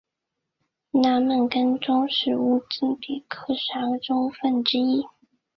纳曼干州是乌兹别克十二个州份之一。